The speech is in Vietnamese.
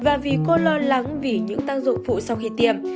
và vì cô lo lắng vì những tác dụng phụ sau khi tiêm